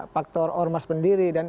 faktor ormas pendiri